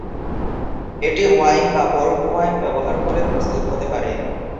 এটি ওয়াইন বা port wine ব্যবহার করে প্রস্তুত হতে পারে।